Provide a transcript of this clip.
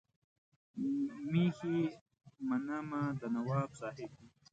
مېښې منمه د نواب صاحب دي.